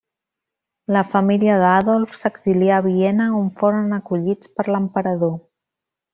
La família d'Adolf s'exilià a Viena on foren acollits per l'emperador.